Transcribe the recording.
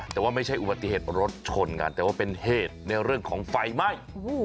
แต่ว่าไม่ใช่อุบัติเหตุรถชนกันแต่ว่าเป็นเหตุในเรื่องของไฟไหม้